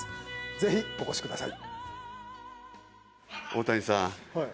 ぜひお越しください。